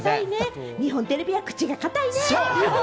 日本テレビは口が堅いね、うふふ。